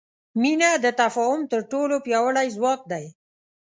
مینه د تفاهم تر ټولو پیاوړی ځواک دی.